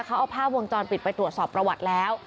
เขาเอาภาพวงจรปิดไปตรวจสอบประวัติแล้ว